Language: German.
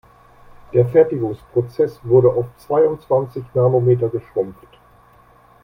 Der Fertigungsprozess wurde auf zweiundzwanzig Nanometer geschrumpft.